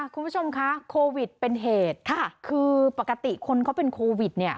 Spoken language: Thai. คุณผู้ชมคะโควิดเป็นเหตุค่ะคือปกติคนเขาเป็นโควิดเนี่ย